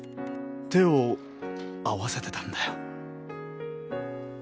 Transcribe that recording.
手を合わせてたんだよ。